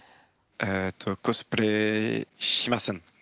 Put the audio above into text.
えとコスプレしません。